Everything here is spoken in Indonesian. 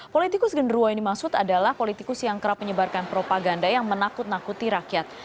politikus genderuo yang dimaksud adalah politikus yang kerap menyebarkan propaganda yang menakut nakuti rakyat